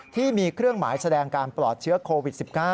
ที่มีเครื่องหมายแสดงการปลอดเชื้อโควิด๑๙